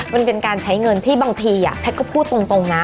มันเป็นการใช้เงินที่บางทีแพทย์ก็พูดตรงนะ